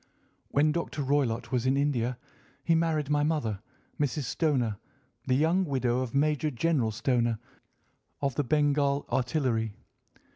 "When Dr. Roylott was in India he married my mother, Mrs. Stoner, the young widow of Major General Stoner, of the Bengal Artillery.